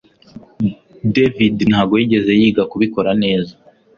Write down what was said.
David ntabwo yigeze yiga kubikora neza